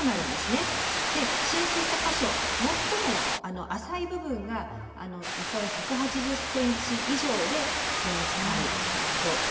浸水した箇所最も浅い部分が床上１８０ｃｍ以上で全壊となります。